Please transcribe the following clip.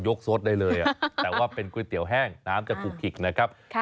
สดได้เลยแต่ว่าเป็นก๋วยเตี๋ยวแห้งน้ำจะถูกขิกนะครับ